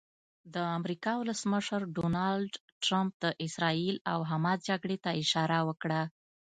د امریکا ولسمشر ډونالډ ټرمپ د اسراییل او حماس جګړې ته اشاره وکړه.